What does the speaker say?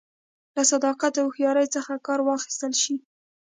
له صداقت او هوښیارۍ څخه کار واخیستل شي